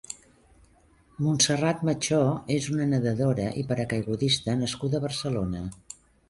Montserrat Mechó és una nedadora i paracaiguista nascuda a Barcelona.